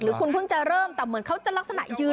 หรือคุณเพิ่งจะเริ่มเพียงสิ้นลักษณะยืน